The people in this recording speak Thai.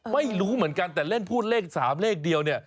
ไม่รู้เหมือนกันแต่เล่นพูดเลข๓เลขเดียวเนี่ย